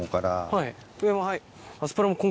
はい。